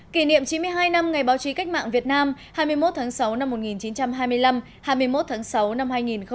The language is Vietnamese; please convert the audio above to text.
kỷ niệm chín mươi hai năm ngày báo chí cách mạng việt nam hai mươi một tháng sáu năm một nghìn chín trăm hai mươi năm hai mươi một tháng sáu năm hai nghìn một mươi chín